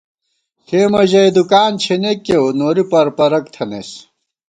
ݪېمَہ ژَئی دُکان چھېنېک کېئیؤ نوری پرپرَک تھنَئیس